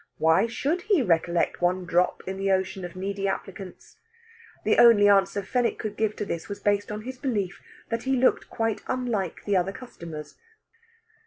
Why should he recollect one drop in the ocean of needy applicants? The only answer Fenwick could give to this was based on his belief that he looked quite unlike the other customers.